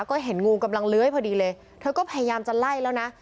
ก็เห็นงูกำลังเลื้อยพอดีเลยเธอก็พยายามจะไล่แล้วนะ